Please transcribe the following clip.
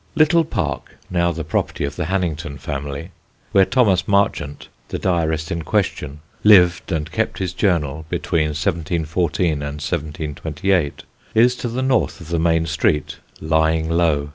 Little Park, now the property of the Hannington family, where Thomas Marchant, the diarist in question, lived, and kept his journal between 1714 and 1728, is to the north of the main street, lying low.